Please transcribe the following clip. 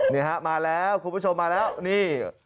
นี่ฮะมาแล้วคุณผู้ชมมาแล้วนี่